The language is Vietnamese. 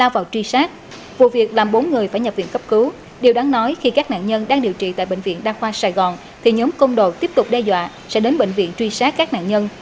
vụ việc làm bốn người phải nhập viện cấp cứu điều đáng nói khi các nạn nhân đang điều trị tại bệnh viện đa khoa sài gòn thì nhóm công đoàn tiếp tục đe dọa sẽ đến bệnh viện truy sát các nạn nhân